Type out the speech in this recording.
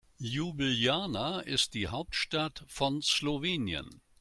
Ljubljana ist die Hauptstadt von Slowenien.